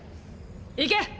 行け！